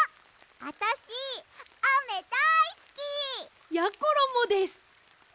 あたしあめだいすき！やころもです！